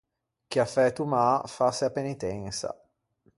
Chi à fæto mâ, fasse a penintensa.